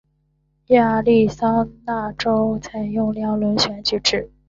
亚利桑那州采用两轮选举制。